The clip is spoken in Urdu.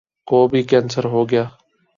کو بھی کینسر ہو گیا ؟